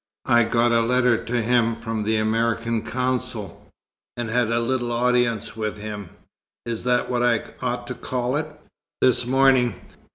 "I got a letter to him from the American Consul, and had a little audience with him is that what I ought to call it? this morning.